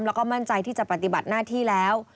แล้วก็มั่นใจที่จะปฏิบัติหน้าที่แล้ว